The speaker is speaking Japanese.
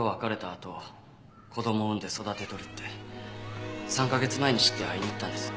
あと子供産んで育てとるって３カ月前に知って会いに行ったんです。